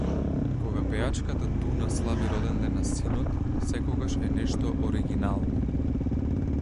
Кога пејачата Туна слави роденден на синот, секогаш е нешто оргинално